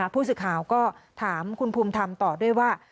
ผู้สื่อข่าวก็ถามคุณภูมิธรรมต่อด้วยว่า